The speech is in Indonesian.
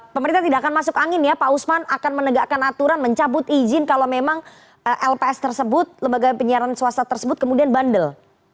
pemerintah tidak akan masuk angin ya pak usman akan menegakkan aturan mencabut izin kalau memang lps tersebut lembaga penyiaran swasta tersebut kemudian bandel